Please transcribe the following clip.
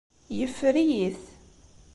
Yeffer-iyi-t.